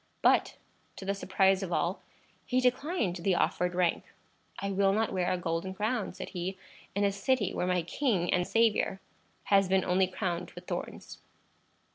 But, to the surprise of all, he declined the offered rank. "I will not wear a golden crown," said he, "in a city where my king and Saviour has been only crowned with thorns."